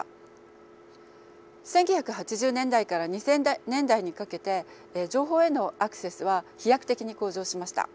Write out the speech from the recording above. １９８０年代から２０００年代にかけて情報へのアクセスは飛躍的に向上しました。